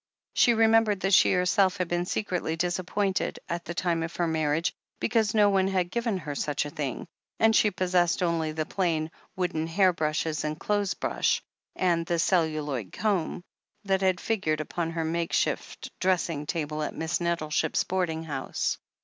She remembered that she herself had been secretly disappointed, at the time of her marriage, because no one had given her such a thing, and she possessed only the plain, wooden hair brushes and clothes brush, and the celluloid comb, that had figured upon her makeshift dressing table at Miss Nettleship's boarding house.